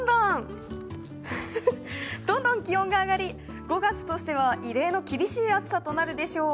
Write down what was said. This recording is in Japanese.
どんどん気温が上がり５月としては異例の厳しい暑さとなるでしょう。